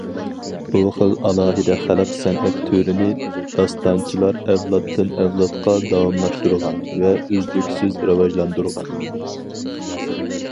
بۇ خىل ئالاھىدە خەلق سەنئەت تۈرىنى داستانچىلار ئەۋلادتىن- ئەۋلادقا داۋاملاشتۇرغان ۋە ئۈزلۈكسىز راۋاجلاندۇرغان.